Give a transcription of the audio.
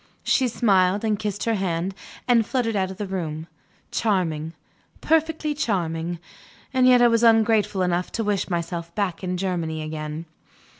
She smiled, and kissed her hand, and fluttered out of the room. Charming; perfectly charming. And yet I was ungrateful enough to wish myself back in Germany again.